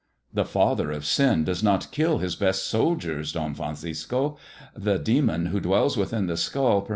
" The father of sin does not kill his best soldieniiK I Francisco : the demon who dwells within the skull pod!